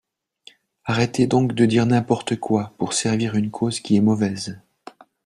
Arrêtez donc de dire n’importe quoi pour servir une cause qui est mauvaise.